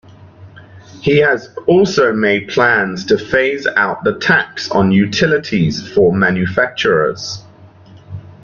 He has also made plans to phase out the tax on utilities for manufacturers.